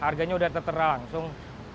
harganya sudah tertera langsung